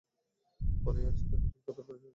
মনে আছে তাকে তুমি কতটা করে চেয়েছিলে?